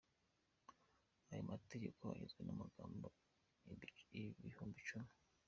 Aya mategeko agizwe n’amagambo ibihumbi icumi.